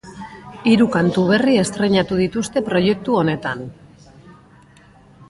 Hiru kantu berri estreinatu dituzte proiektu honetan.